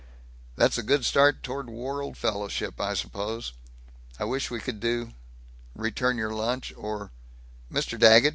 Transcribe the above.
"That's a good start toward world fellowship, I suppose. I wish we could do Return your lunch or Mr. Daggett!